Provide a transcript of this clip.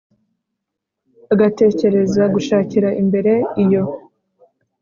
agatekereza gushakira imbere iyo.